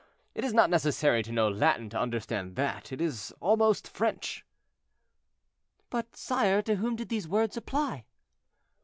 It is not necessary to know Latin to understand that: it is almost French." "But, sire, to whom did these words apply?"